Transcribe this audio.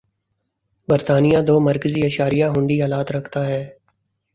برطانیہ دو مرکزی اشاریہ ہُنڈی آلات رکھتا ہے